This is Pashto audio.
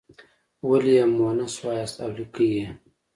ولې یې مونث وایاست او لیکئ یې.